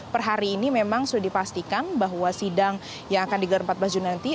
per hari ini memang sudah dipastikan bahwa sidang yang akan digelar empat belas juni nanti